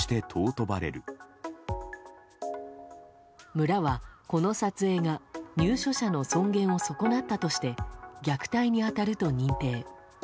村は、この撮影が入所者の尊厳を損なったとして虐待に当たると認定。